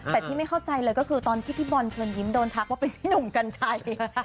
แต่ที่ไม่เข้าใจเลยก็คือตอนที่พี่บอลเชิญยิ้มโดนทักว่าเป็นพี่หนุ่มกัญชัย